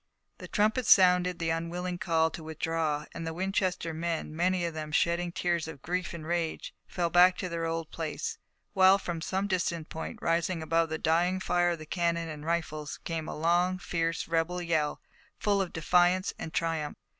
The trumpets sounded the unwilling call to withdraw, and the Winchester men, many of them shedding tears of grief and rage, fell back to their old place, while from some distant point, rising above the dying fire of the cannon and rifles, came the long, fierce rebel yell, full of defiance and triumph.